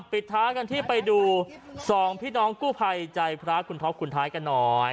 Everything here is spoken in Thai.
ปิดท้ายกันที่ไปดูสองพี่น้องกู้ภัยใจพระคุณท็อปคุณท้ายกันหน่อย